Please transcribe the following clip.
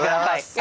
あ！